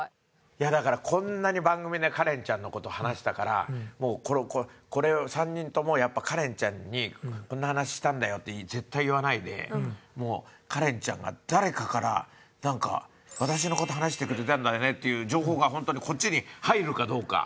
いやだからこんなに番組でカレンちゃんの事話したからもうこれを３人ともやっぱカレンちゃんに「こんな話したんだよ」って絶対言わないでもうカレンちゃんが誰かから「私の事話してくれたんだね」っていう情報が本当にこっちに入るかどうか泳がしましょう。